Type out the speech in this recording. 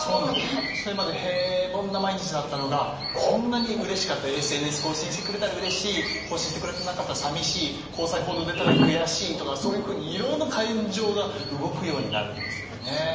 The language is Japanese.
それまで平凡な毎日だったのがこんなにうれしかったＳＮＳ更新してくれたらうれしい更新してくれなかったらさみしい交際報道出たら悔しいとかそういうふうにいろんな感情が動くようになるんですよね。